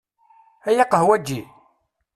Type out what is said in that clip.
A yaqahwaǧi!